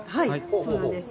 そうなんです。